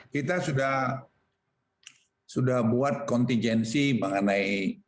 kita sudah buat kontingensi mengenai